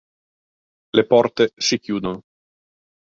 Le porte si chiudono.